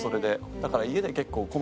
だから。